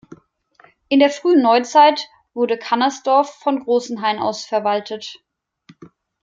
In der Frühen Neuzeit wurde Cunnersdorf von Großenhain aus verwaltet.